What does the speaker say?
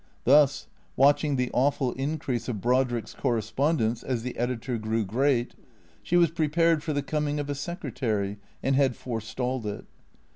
Thus, watching the awful increase of Brodrick's correspondence, as the editor grew great, she was prepared for the coming of a secretary and had forestalled it.